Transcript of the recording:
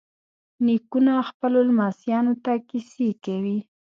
نیکونه خپلو لمسیانو ته کیسې کوي.